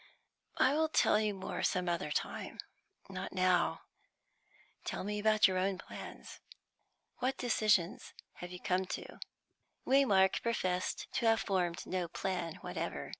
"I will tell you more some other time; not now. Tell me about your own plans. What decision have you come to?" Waymark professed to have formed no plan whatever.